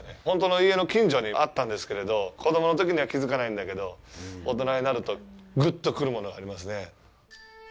本当に家の近所にあったんですけれど、子供のときには気づかないんだけど、大人になると、ぐっとくるものがありますね。